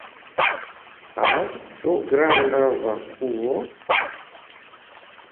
Aŭ ĉu granda vakuo?